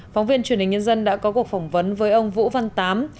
phóng viên truyền hình nhân dân đã có cuộc phỏng vấn với ông vũ văn tám